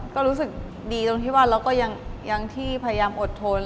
ก็รู้สึกดีตรงที่ว่าเราก็ยังที่พยายามอดทน